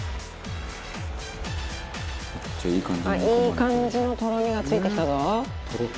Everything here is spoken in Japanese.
いい感じのとろみがついてきたぞ。